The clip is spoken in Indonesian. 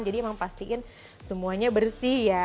jadi emang pastikan semuanya bersih ya